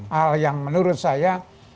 hal yang menurut saya